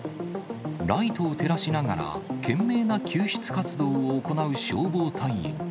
ライトを照らしながら、懸命な救出活動を行う消防隊員。